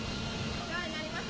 お世話になります。